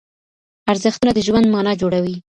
ارزښتونه د ژوند مانا جوړوي.